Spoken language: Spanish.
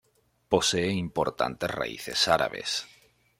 Posee importantes raíces árabes.